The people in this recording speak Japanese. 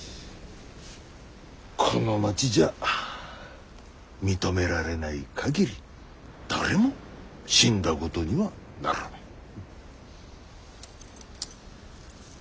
この町じゃ認められない限り誰も死んだことにはならない。